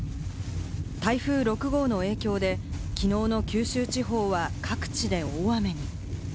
台風６号の影響で、きのうの九州地方は各地で大雨に。